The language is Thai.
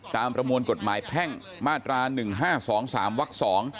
ประมวลกฎหมายแพ่งมาตรา๑๕๒๓วัก๒